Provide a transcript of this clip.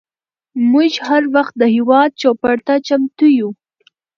موږ هر وخت د هیواد چوپړ ته چمتو یوو.